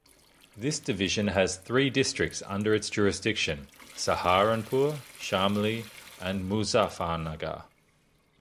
This division has three districts under its jurisdiction: Saharanpur, Shamli and Muzaffarnagar.